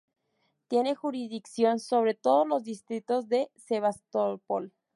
Tiene jurisdicción sobre todos los distritos de Sebastopol.